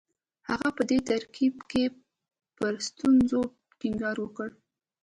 هغه په دې ترکیب کې پر ستونزو ټینګار وکړ